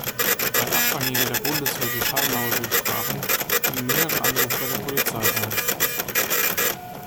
Weil Abfangjäger der Bundeswehr die Schallmauer durchbrachen, gingen mehrere Anrufe bei der Polizei ein.